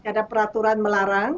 ada peraturan melarang